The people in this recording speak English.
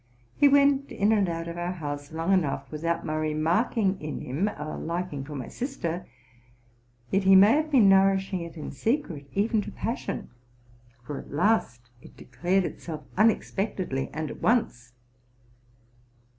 He went in and out of our house long enough without my re marking in him a liking for my sister ; yet he m: iy have been nourishing it in secret, even to passion, for at last it de clared itself unexpectedly and at once.